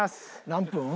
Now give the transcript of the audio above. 何分？